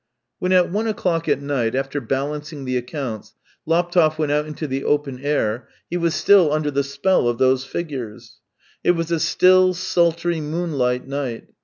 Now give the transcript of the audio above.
When at one o'clock at night, after balancing the accounts, Laptev went out into the open air, he was still under the spell of those figures. It was a still, sultry, moonlight night.